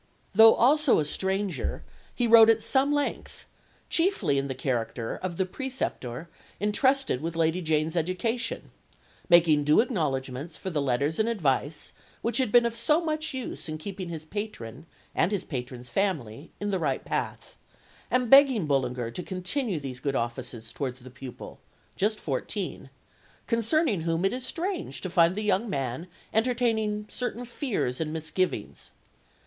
Though also a stranger, he wrote at some length, chiefly in the character of the preceptor entrusted with Lady Jane's education, making due acknowledgments for the letters and advice which had been of so much use in keeping his patron and his patron's family in the right path, and begging Bullinger to continue these good offices towards the pupil, just fourteen, concerning whom it is strange to find the young man entertaining certain fears and misgivings.